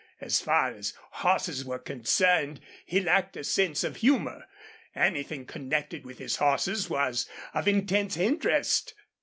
As far as horses were concerned he lacked a sense of humor. Anything connected with his horses was of intense interest.